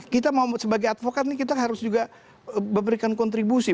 kita mau sebagai advokat ini kita harus juga memberikan kontribusi